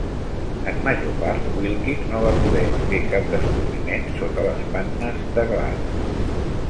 En major part, Wilkins no va poder fer cap descobriment sota les pannes de glaç.